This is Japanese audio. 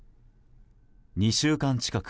２週間近く